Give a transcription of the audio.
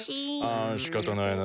あしかたないな。